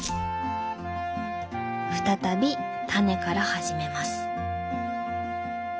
再びタネから始めます。